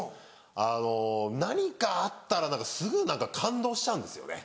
あの何かあったらすぐ感動しちゃうんですよね。